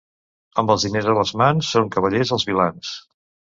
Amb els diners a les mans són cavallers els vilans.